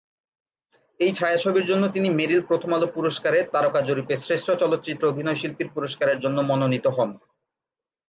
এই ছায়াছবির জন্য তিনি মেরিল-প্রথম আলো পুরস্কার-এ তারকা জরিপে শ্রেষ্ঠ চলচ্চিত্র অভিনয়শিল্পীর পুরস্কারের জন্য মনোনীত হন।